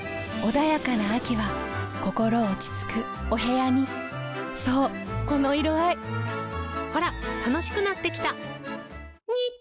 穏やかな秋は心落ち着くお部屋にそうこの色合いほら楽しくなってきた！